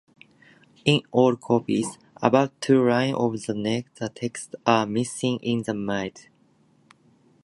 In all copies, about two lines of the text are missing in the middle.